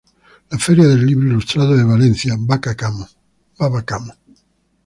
La feria del libro ilustrado de Valencia, "Baba Kamo.